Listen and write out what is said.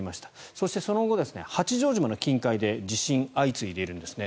そして、その後、八丈島の近海で地震が相次いでいるんですね。